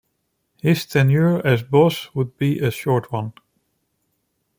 His tenure as Boss would be a short one.